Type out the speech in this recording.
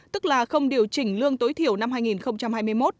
tức là không điều chỉnh lương tối thiểu năm hai nghìn hai mươi một